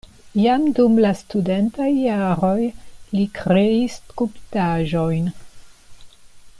Jam dum la studentaj jaroj li kreis skulptaĵojn.